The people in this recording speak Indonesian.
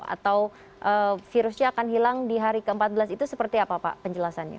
atau virusnya akan hilang di hari ke empat belas itu seperti apa pak penjelasannya